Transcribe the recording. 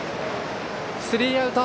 スリーアウト。